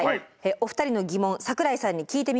お二人の疑問櫻井さんに聞いてみました。